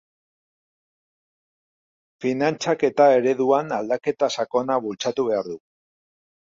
Finantzaketa ereduan aldaketa sakona bultzatu behar dugu.